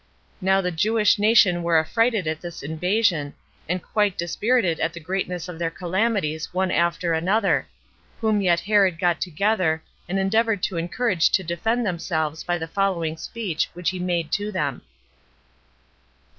Now the Jewish nation were affrighted at this invasion, and quite dispirited at the greatness of their calamities one after another; whom yet Herod got together, and endeavored to encourage to defend themselves by the following speech which he made to them: 4.